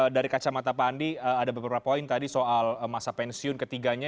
dari kacamata pak andi ada beberapa poin tadi soal masa pensiun ketiganya